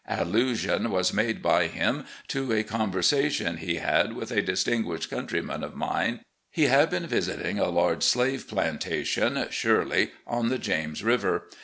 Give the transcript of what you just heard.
Allusion was made by him to a conversation he had with a distin guished countryman of mine. He had been visiting a large slave plantation (Shirley) on the James River.